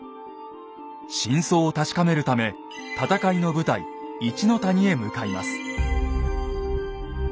真相を確かめるため戦いの舞台一の谷へ向かいます。